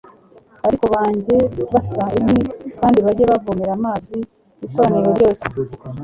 ariko bajye basa inkwi kandi bajye bavomera amazi ikoraniro ryose